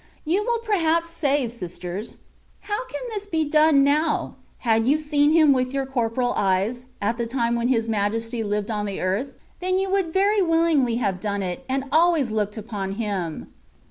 You will perhaps say, sisters, " How can this be done now ? Had you seen Him with your cor poral eyes, at the time when His Majesty Uved on the earth, then you would very willingly have done it, and always looked upon Him.''